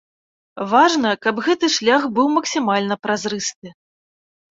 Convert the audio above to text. Важна, каб гэты шлях быў максімальны празрысты.